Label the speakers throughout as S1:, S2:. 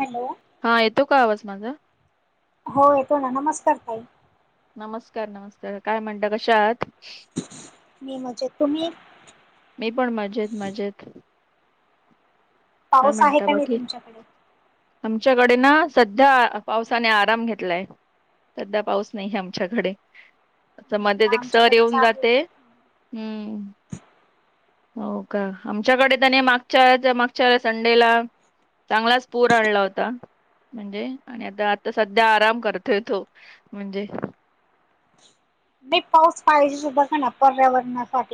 S1: Hello
S2: हा येतो का आवाज माझा?
S1: हो येतो ना, नमस्कार ताई.
S2: नमस्कार नमस्कार, काय म्हणता कशा आहात?
S1: मी मजेत, तुम्ही?
S2: मी पण मजेत, मजेत. काय
S1: पाऊस आहे
S2: म्हणता
S1: का नाही
S2: बाकी?
S1: तुमच्याकडे
S2: आमच्याकडे ना सध्या पावसाने आराम घेतलाय. सध्या पाऊस नाही आमच्याकडे अस
S1: हो
S2: मध्ये
S1: का,
S2: अध्ये एक सर
S1: आमच्याकडे
S2: येऊन
S1: चालू आहे
S2: जाते. हम्म हो का आमच्याकडे त्यानी मागच्यावेळेचया माग संडे ला चांगलाच पूर आणला होता. म्हणजे आणि आता आता सध्या आराम करतोय तो म्हणजे
S1: नाही पाऊस पाहिजे सुद्धा का ना पर्यावरणासाठ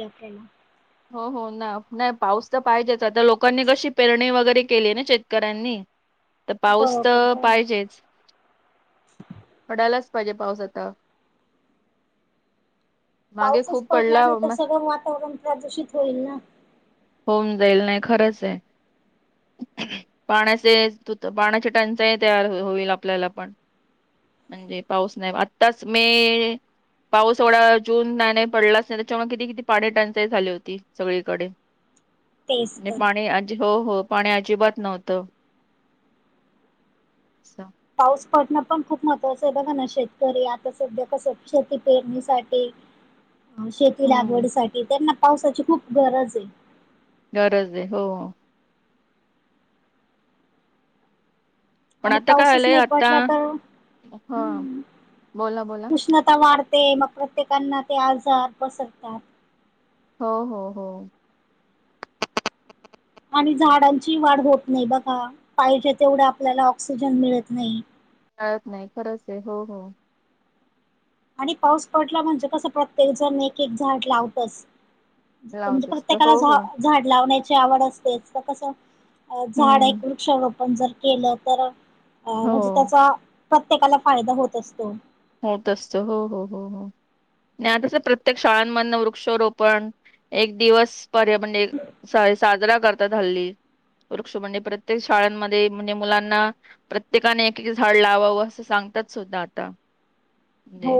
S2: हो हो ना नाही पाऊस तर पाहिजेच आता लोकांनी कशी पेरणी वगैरे केली आहे ना शेतकऱ्यांनी. तर पाऊस
S1: बरोबर
S2: तर
S1: हो
S2: पाहिजेच. पडायलाच पाहिजे पाऊस आता. मागे
S1: पाऊसच
S2: खूप
S1: पडला नाही तर
S2: मस्त
S1: सगळं वातावरण प्रदूषित होईल ना.
S2: होऊन जाईल नाही खरंचय. पाण्याचे त पाण्याची टंचा तयार होईल आपल्याला पण म्हणजे पाऊस नाही आत्ताच मे पाऊस एवढा जून नाही नाही पडलाच नाही त्याच्यामुळे किती किती पाणी टंचाई झाली होती सगळीकडे‌.
S1: तेच
S2: आणि
S1: तर
S2: पाणी अजी हो हो पाणी अजिबात नव्हतं. असं.
S1: पाऊस पडणं पण खूप महत्त्वाचं आहे बघा ना शेतकरी आता सध्या कसं शेती पेरणीसाठी
S2: [inaudible]
S1: शेती
S2: हम्म
S1: लागवडीसाठीठी त्यांना पावसाची खूप गरज आहे.
S2: गरज आहे हो. पण
S1: आणि
S2: आता काय
S1: पाऊसच
S2: आलंय
S1: नाही
S2: आता
S1: पडला तर
S2: हा
S1: हम्म
S2: बोला बोला
S1: उष्णता वाढते मग प्रत्येकांना ते आजार पसरतात.
S2: हो हो हो
S1: आणि झाडांची वाढ होत नाही बघा पाहिजे तेवढे आपल्याला ऑक्सिजन मिळत नाही.
S2: कळत नाही खरंचय हो हो
S1: आणि पाऊस पडला म्हणजे कसं प्रत्येक जण एक एक झाड लावतच. म्हणजे
S2: लावत असत
S1: प्रत्येकाला
S2: हो
S1: ज
S2: हो
S1: झाड लावण्याची आवड असतेच तर कस झाड
S2: हम्म
S1: एक वृक्षोप आपण जर केलं तर म्हणजे
S2: हो
S1: त्याचा प्रत्येकाला फायदा होत असतो.
S2: होत असत हो हो हो हो. नाही आताच प्रत्येक शाळांमधन वृक्षारोपण एक दिवस पर्या म्हण साजरा करतात हल्ली. वृक्ष म्हणजे प्रत्येक शाळांमध्ये म्हणजे मुलांना प्रत्येकाने एक- एक झाड लावावं असं सांगतात सुद्धा आता. म्हणजे,
S1: हो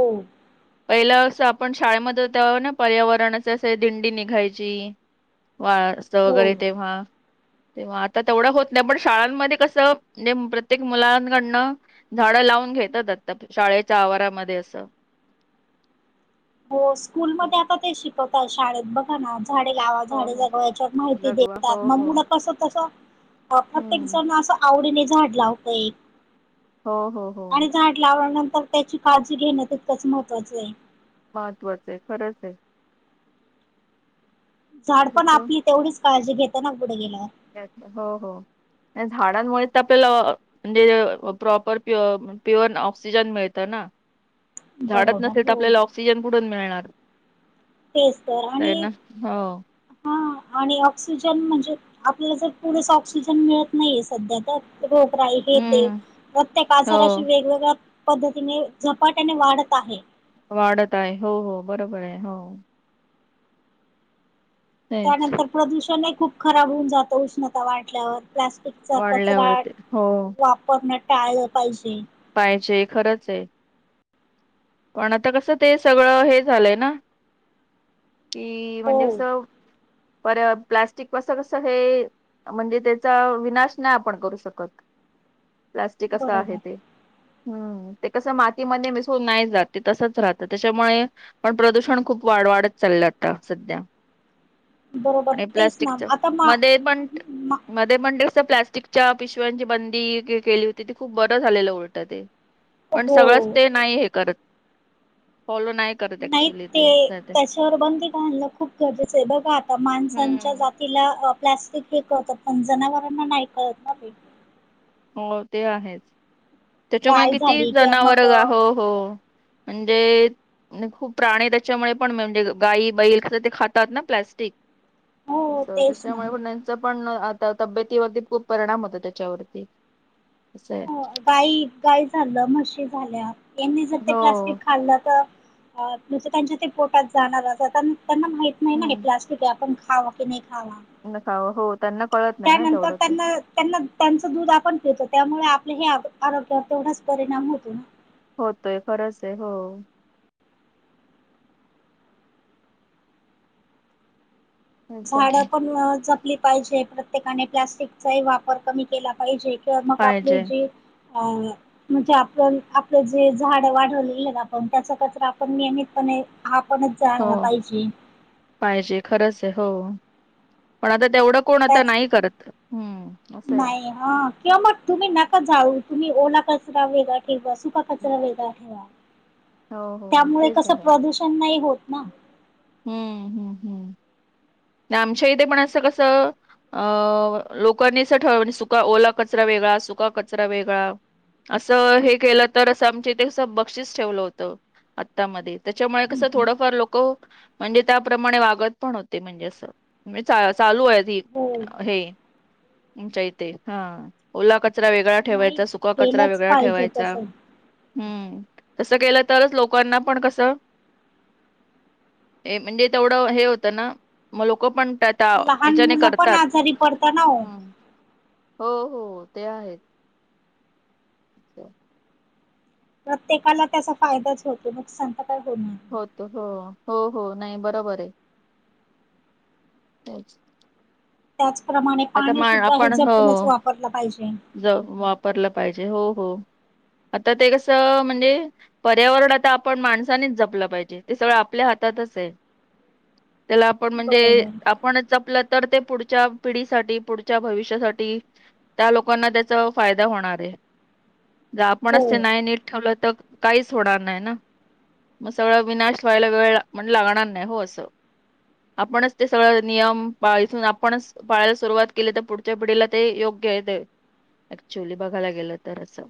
S2: पहिलं असं आपण शाळेमध्ये होतो त्यावेळे ना पर्यावरणाच अस दिंडी निघायची. वास्त
S1: हो.
S2: वगैरे तेव्हा. तेव्हा आता तेवढं होत नाही पण शाळांमध्ये कसं म्हणजे प्रत्येक मुलांकडनं झाडं लावून घेतात आता शाळेच्या आवारामध्ये असं.
S1: हो स्कूलमध्ये आता ते शिकवत‌ आहेत शाळेत बघा ना झाडे लावा
S2: हो
S1: झाडे
S2: हो
S1: जगवा याच्यावर माहिती
S2: जगवा हो
S1: देतात मग
S2: हो
S1: मुल तसं -तस प्रत्येक
S2: हम्म.
S1: जण असं आवडीने झाड लावतय.
S2: हो, हो, हो.
S1: आणि झाड लावल्यानंतर त्याची काळजी घेणं तितकंच महत्वाचये.
S2: महत्त्वाचं आहे खरंच आहे.
S1: झाड
S2: तर
S1: पण
S2: कसं
S1: आपली तेवढीच काळजी घेताना पुढे गेल्यावर.
S2: [inaudible] हो -हो आणि झाडांमुळे तर आपल्याला अ म्हणजे प्रॉपर प्युअ- प्युअर ऑक्सिजन मिळतं ना. झाडत
S1: बरोबर
S2: नसेल तर
S1: हो
S2: आपल्याला ऑक्सिजन पुढून मिळणार?
S1: तेच तर
S2: आहे
S1: आणि
S2: ना. हो.
S1: हा आणि ऑक्सिजन म्हणजे आपल्याला जर पुरेसा ऑक्सिजन मिळत नाहीये सध्या तर. रोगराई हे ते
S2: हम्म.
S1: प्रत्येक आजाराशी
S2: हो.
S1: वेगवेगळ्या पद्धतीने झपाट्याने वाढत आहे.
S2: वाढत आहे हो- हो बरोबर आहे, हो. तेच
S1: त्यानंतर प्रदूषणय खूप खराब होऊन जातं उष्णता वाढल्यावर. प्लास्टिकचा कचरा
S2: वाढल्यावर ते हो.
S1: वापरण टाळलं पाहिजे.
S2: पाहिजे खरंचये. पण आता कसं ते सगळं हे झालंय ना कि म्हणजे
S1: हो
S2: अस पर- प्लास्टिक पास कस हे म्हणजे त्याचा विनाश नाही आपण करू शकत. प्लास्टिक असं आहे
S1: बरोबर
S2: ते, हम्म ते कसं मातीमध्ये मिसळून नाही जात. ते तसच राहतं त्याच्यामुळे पण प्रदूषण खूप वाढ- वाढत चाललं आता सध्या.
S1: बरोबर
S2: आणि
S1: तेच
S2: प्लास्टिक
S1: ना
S2: च
S1: आता मा
S2: मध्ये पण
S1: मा
S2: म डे -मंडे असं प्लास्टिकच्या पिशव्यांची बंदी केली होती ती खूप बरं झालेलं उलटं ते. पण
S1: हो
S2: सगळंच ते नाही हे करत फॉलो नाही करत
S1: नाही
S2: ऍक्च्युली
S1: ते
S2: सध्या.
S1: त्याच्यावर बंदी घालण खूप गरजेचं आहे बघा आता माणसांच्या
S2: हम्म
S1: जात तिला प्लास्टिक फेकवत पण जनावरांना नाही कळत ना ते.
S2: हो ते आहेच त्याच्यामुळे
S1: गाय
S2: किती
S1: झाली किंवा
S2: जनावर
S1: मग अ,
S2: गाहो हो म्हणजे खूप प्राणी त्याच्यामुळे पण म्हणजे गायी, बैल कस ते खातात ना प्लॅस्टिक.
S1: हो
S2: असं
S1: तेच ना
S2: तेशामुळे पण तेच पण आता तब्येतीवरती खूप परिणाम होत त्याच्यावरती. असाय.
S1: हो गाई- गाय झालं म्हशी झाल्या यांनी जर ते प्लास्टिक
S2: हो.
S1: खाल्लं तर नुसत त्यांच्या ते पोटात जाणार अस त्या- त्यांना माहीत नाही
S2: हो.
S1: ते प्लास्टिक आहे आपण खावा की नाही खावा?
S2: नका हो त्यांना कळत नाही ना
S1: त्यानंतर
S2: तेवढं ते.
S1: त्यांना त्यांना- त्यांच दूध आपण पितो त्यामुळे आपल्या हे आ-आरोग्यावर तेवढाच परिणाम होतो ना.
S2: होतोय खरंच आहे हो. तेच
S1: झाडं
S2: आहे
S1: पण जपली पाहिजे, प्रत्येकाने प्लास्टिकचाही वापर कमी केला पाहिजे. तर मग आपली
S2: पाहिजे
S1: जी अ म्हणजे आपण आपलं जे झाड वाढवलेले आपण त्याचा कचरा आपण नियमितपणे आपणच
S2: हो
S1: जाळला पाहिजे
S2: पाहिजे खरंच आहे हो पण आता तेवढं कोण तर
S1: त्याच
S2: नाही करत हम्म असं आहे
S1: ह किंवा मग तुम्ही नका जाळु तुम्ही ओला कचरा वेगळा सुका कचरा वेगळा ठेवा
S2: हो हो
S1: त्यामुळे
S2: तेच
S1: कसं
S2: आहे
S1: प्रदूषण नाही होत ना
S2: हम्म हम्म हम्म आमच्या इथे पण अस कसं अं लोकांनी अस ठव म्हणजे सुका ओला कचरा वेगळा सुका कचरा वेगळा असं हे केलं तर असं आमच्या इथे अस बक्षीस ठेवलं होतं आत्तामध्ये त्याच्यामुळे कसं थोडंफार लोक म्हणजे त्याप्रमाणे वागत पण होते म्हणजे असं म्हणजे चालू आहे
S1: हो
S2: ते तुमच्या इथे हा ओला कचरा वेगळा
S1: नाही
S2: ठेवायचा सुका कचरा
S1: केलंच
S2: वेगळा
S1: पाहिजे
S2: ठेवायचा
S1: तसं
S2: हम्म तसं केलं तरच लोकांना पण कसं हे म्हणजे तेवढं हे होतं ना मग लोकं पण त्यात
S1: लहान
S2: याच्याने
S1: मुलं पण
S2: करतात
S1: आजारी पडत ना
S2: [unintelligible]
S1: हो
S2: हो हो ते आहेत [unintelligible]
S1: प्रत्येकाला त्याचा फायदाच होतो नुकसान तर काय होत नाही
S2: होत हो हो हो नाही बरोबर आहे
S1: त्याचप्रमाणे
S2: आता
S1: पाणी
S2: मा
S1: सुद्धा हे
S2: आपण हो
S1: जपूनच वापरलं पाहिजे
S2: वापरलं पाहिजे हो हो आता ते कसं म्हणजे पर्यावरण आता आपण माणसानीच जपलं पाहिजे ते सगळं आपल्या हातातच हे त्याला आपण म्हणजे
S1: बरोबर
S2: आपणच जपलं तर ते पुढच्या पिढीसाठी पुढच्या भविष्यासाठी त्या लोकांना त्याचा फायदा होणार आहे ज आपण
S1: हो
S2: असं नाही नीट ठेवलं तर काहीच होणार नाही ना मग सगळं विनाश व्हायला वेळ म्हण लागणार नाही हो असं आपणच ते सगळं नियम पाळायचं आपणच पाळायला सुरुवात केली तर पुढच्या पिढीला ते योग्य येते ऍक्च्युअली बघायला गेलं तर असं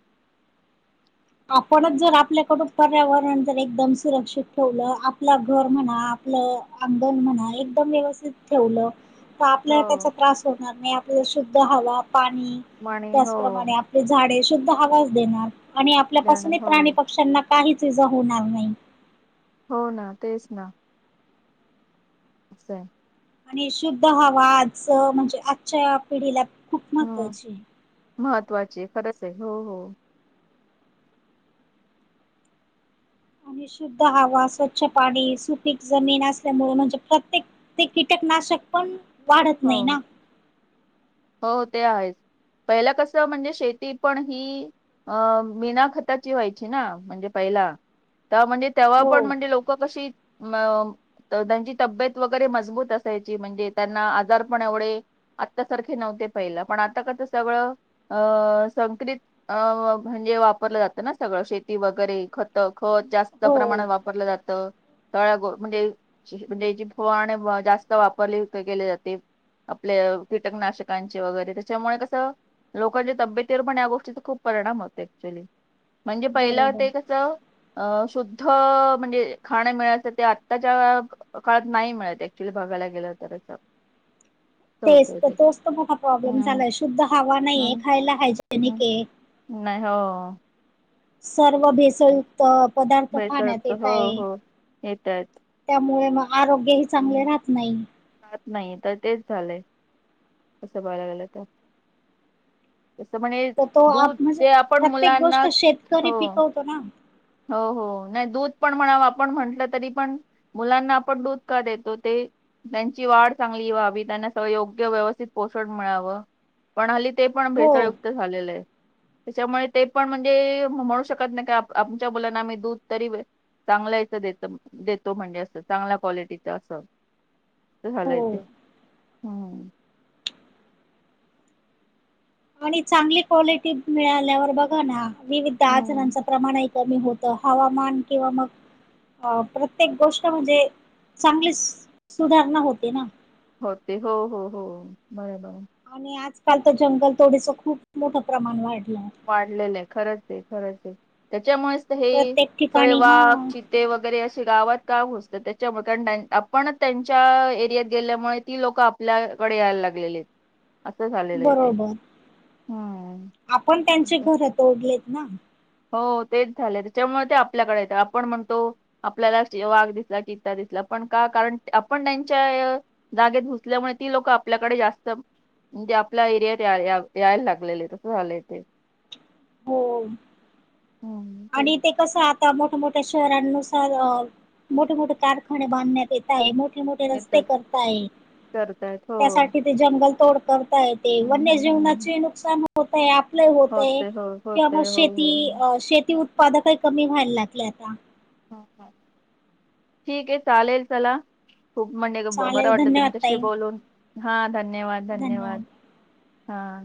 S1: आपणच जर आपल्याकडून पर्यावरण जर एकदम सुरक्षित ठेवलं आपलं घर म्हणा आपलं अंगण म्हणा एकदम व्यवस्थित ठेवलं तर आपल्या
S2: हो
S1: त्याचा त्रास होणार नाही शुद्ध हवा पाणी
S2: म्हणे हो
S1: त्याचप्रमाणे झाडे शुद्ध हवाच देणार आणि
S2: जाण
S1: आपल्यापासूनही
S2: हो
S1: प्राणी पक्ष्यांना काहीच इजा होणार नाही
S2: हो ना तेच ना [unintelligible]
S1: आणि शुद्ध हवा आज म्हणजे आजच्या पिढीला खूप
S2: ह
S1: महत्त्वाची
S2: महत्त्वाची खरंच आहे हो हो
S1: आणि शुद्ध हवा स्वच्छ पाणी सुपीक जमीन असल्यामुळे म्हणजे प्रत्येक. ते कीटकनाशक पण वाढत
S2: हो
S1: नाही ना.
S2: हो ते आहेच पहिलं कस म्हणजे शेती पण ही. अ बना खताची व्हायची ना म्हणजे पहिला तर म्हणजे. तेव्हा पण
S1: हो
S2: म्हणजे लोकं कशी तर त्यांची तब्येत वगैरे मजबूत असायची म्हणजे त्यांना आजार पण एवढे आता तर ते नव्हते पहिला पण आता का ते सगळं अ संकरित अ म्हणजे वापरलं जातं ना सगळं शेती वगैरे खत त खत जास्त
S1: हो
S2: प्रमाणात वापरलं जातं. तळ गो म्हणजे याची फवारणी जास्त वापरली केली जाते. आपल्या कीटकनाशकांचे वगैरे त्याच्यामुळे कसं लोकांच्या तब्येती वर पण या गोष्टीच खूप परिणाम होते ऍक्च्युली. म्हणजे पहिला वाट
S1: बरोबर
S2: ते कसं. अ शुद्ध म्हणजे खाण मिळायचं ते आत्ताच्या काळत नाही मिळत ऍक्च्युली बघायला गेलं खर तरं.
S1: तेच तोच तर मोठा प्रॉब्लेम
S2: हम्म
S1: झालाय शुद्ध हवा नाहीये
S2: हम्म
S1: खायला
S2: हम्म
S1: हायजेनिक हे.
S2: नाही हो.
S1: सर्व भेसळयुक्त पदार्थ
S2: भेसळ
S1: खाण्यात
S2: युक्त.
S1: येत
S2: हो
S1: आहे.
S2: हो येत आहेत
S1: त्यामुळे मग आरोग्यही चांगले
S2: हम्म.
S1: राहत नाही.
S2: नाही तर तेच झालंय असं बघायला गेलं तर. तसं पण हे
S1: तर तो
S2: दूध
S1: आप म्हणजे
S2: जे आपण मुलांना हो.
S1: हो ना.
S2: हो हो नाही दूध पण म्हणाव आपण म्हटलं तरी पण. मुलांना आपण दूध का देतो ते. त्यांची वाढ चांगली व्हावी त्यांना स योग्य व्यवस्थित पोषण मिळावं. पण हल्ली ते पण
S1: हो
S2: भेसळयुक्त. झालेलं आहे त्याच्यामुळे ते पण म्हणजे म्हणू शकत नाही का आप आमच्या मुलांना आम्ही दूध तरी चांगल्या इथं देत देतो म्हणजे असं चांगल्या क्वालिटीच असं. झाला
S1: हो
S2: ते. हम्म
S1: आणि चांगली क्वालिटी मिळाल्यावर बघा ना विविध
S2: हम्म
S1: आजारांच प्रमाण कमी होत हवामान किंवा मग अ प्रत्येक गोष्ट म्हणजे चांगली सुधारणा होते ना.
S2: होते हो हो हो बरं बरं.
S1: आणि आजकाल तर जंगल तोडीच खूप मोठं प्रमाण वाढलयं.
S2: वाढलेलं आहे खरच हे खरच हे त्याच्यामुळेच हे
S1: प्रत्येक
S2: सगळे
S1: ठिकाणी हा
S2: वाघ ची ते वगैरे असे गावात का घुसतात त्याच्यामुळे कारण आपण त्यांच्या एरियात गेल्यामुळे ती लोक आप आपल्याकडे यायला लागलेले आहेत असं झालेलं आहे ते
S1: बरोबर
S2: हम्म.
S1: आपण त्यांचे घर तोडलेत ना.
S2: हो तेच झालंय त्याच्यामुळे ते आपल्याकडे येत आपण म्हणतो आपल्याला वाघ दिसला, चित्ता दिसला पण का कारण आपण त्यांच्या अ जागेत घुसल्यामुळे ती लोक आपल्याकडे जास्त म्हणजे आपल्या एरियात याय यायला लागलेले आहेत तसं झालंय ते.
S1: हो
S2: हम्म तेच
S1: आणि ते कसं आता मोठ्या मोठ्या शहरांनुसार
S2: हम्म,
S1: मोठ मोठे कारखाने बांधण्यात येत मोठे मोठे रस्ते
S2: येतच
S1: करता हे
S2: करतायत हो
S1: त्यासाठी ते जंगल तोड करता हे ते
S2: हम्म,
S1: वन्य
S2: हम्म, हम्म.
S1: जीवनाचे नुकसान होतय आपलं होत हे
S2: होते हो
S1: त्यामुळ
S2: होते हो
S1: शेती
S2: हो हो.
S1: अ शे उत्पादकही कमी व्हायला लागले आता.
S2: हा हा ठीक हे चालेल चला खूप म्हणजे बरं
S1: चालेल
S2: वाटलं
S1: धन्यवाद
S2: तुमच्याशी
S1: ताई
S2: बोलून. हा. धन्यवाद! धन्यवाद! हा.